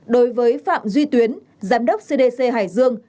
đối với phạm duy tuyến giám đốc cdc hải dương